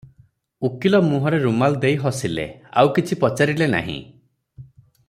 ଉକୀଲ ମୁହଁରେ ରୁମାଲ ଦେଇ ହସିଲେ, ଆଉ କିଛି ପଚାରିଲେ ନାହିଁ ।